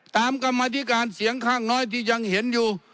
กรรมธิการเสียงข้างน้อยที่ยังเห็นอยู่